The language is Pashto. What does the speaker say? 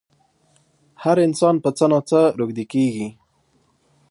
هر انسان په څه نه څه روږدی کېږي.